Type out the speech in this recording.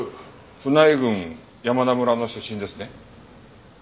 船井郡山田村の出身ですね。